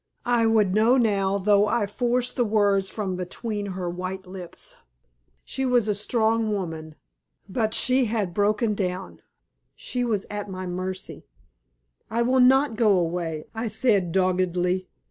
I would know now, though I forced the words from between her white lips. She was a strong woman, but she had broken down she was at my mercy. "I will not go away," I said, doggedly.